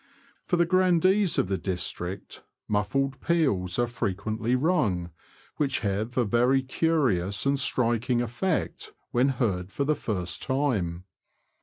For the grandees of the district, muffled peals are frequently rung, which have a very curious and strik ing effect when heard for the first time.